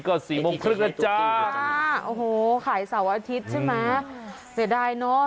ก็สี่โมงครึ่งนะจ๊ะโอ้โหขายเสาร์อาทิตย์ใช่ไหมเสียดายเนอะ